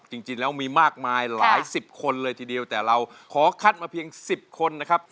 จริงแล้วมีมากมายหลายสิบคนเลยทีเดียวแต่เราขอคัดมาเพียง๑๐คนนะครับ